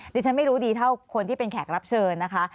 ดิฉันไม่รู้ดีเท่าคนที่เป็นแขกรับเชิญนะคะ